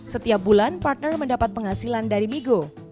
setiap bulan partner mendapat penghasilan dari migo